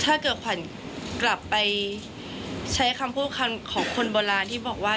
ถ้าเกิดขวัญกลับไปใช้คำพูดคำของคนโบราณที่บอกว่า